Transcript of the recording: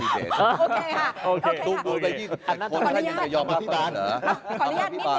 ถูกดูดไปยี่สิบเจ็ดคนท่านยังถูกได้ยอมกลับกลับไป